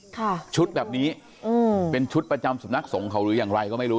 ค่ะชุดแบบนี้อืมเป็นชุดประจำสำนักสงฆ์เขาหรืออย่างไรก็ไม่รู้